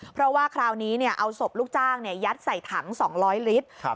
เพราะว่าคราวนี้เอาศพลูกจ้างยัดใส่ถัง๒๐๐ลิตร